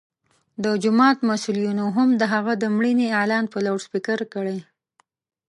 د جومات مسؤلینو هم د هغه د مړینې اعلان په لوډسپیکر کړی.